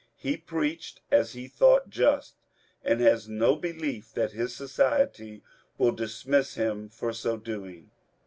He preached as he thought just, and has no belief that his society will dis miss him for so doing."